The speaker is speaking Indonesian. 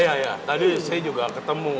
iya ya tadi saya juga ketemu